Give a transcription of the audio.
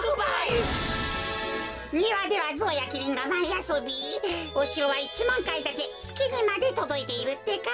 にわではゾウやキリンがまいあそびおしろは１まんかいだてつきにまでとどいているってか。